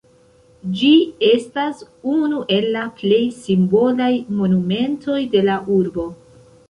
Ĝi estas unu el la plej simbolaj monumentoj de la urbo.